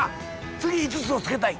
次５つをつけたい。